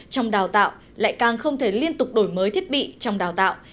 trong đào tạo lại càng không thể liên tục đổi mới thiết bị trong đào tạo